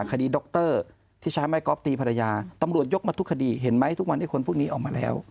คดีดรที่ใช้ไม้ก๊อฟตีภรรยาตำรวจยกมาทุกคดีเห็นไหมทุกวันไอ้คนพวกนี้ออกมาแล้ว